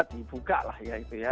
dibuka lah ya itu ya